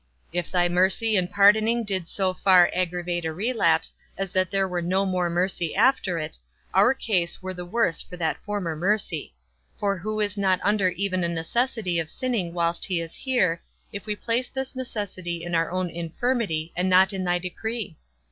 If thy mercy in pardoning did so far aggravate a relapse, as that there were no more mercy after it, our case were the worse for that former mercy; for who is not under even a necessity of sinning whilst he is here, if we place this necessity in our own infirmity, and not in thy decree?